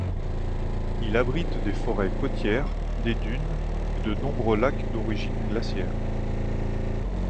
Il abrite des forêts côtières, des dunes, et de nombreux lacs d'origine glacière.